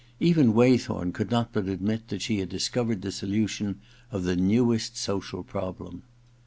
Even Waythorn could not but admit that she had discovered the solution of the newest social problem.